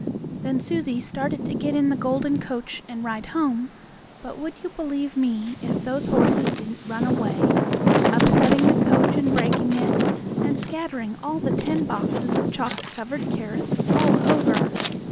Then Susie started to get in the golden coach and ride home, but, would you believe me, if those horses didn't run away, upsetting the coach and breaking it, and scattering all the ten boxes of chocolate covered carrots all over.